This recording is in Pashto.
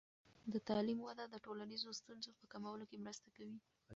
د تعلیم وده د ټولنیزو ستونزو په کمولو کې مرسته کوي.